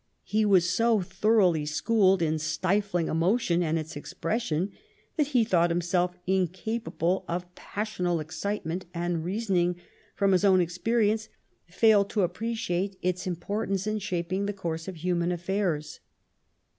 He was so thoroughly schooled in stifling emotion and its expression, that he thought himself incapable of passional excitement, and, reason ing from his own experience, failed to appreciate its importance in shaping the course of human affairs.